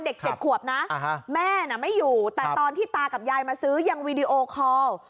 เด็ก๗ขวบนะแม่น่ะไม่อยู่แต่ตอนที่ตากับยายมาซื้อยังวีดีโอคอล